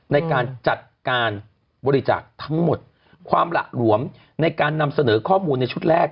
ในการจัดการบริจาคทั้งหมดความหละหลวมในการนำเสนอข้อมูลในชุดแรก